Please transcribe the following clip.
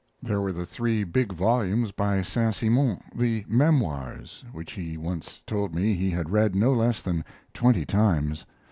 There were the three big volumes by Saint Simon 'The Memoirs' which he once told me he had read no less than twenty times.